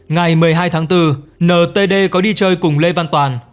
ngày một mươi hai tháng bốn ntd có đi chơi cùng lê văn toàn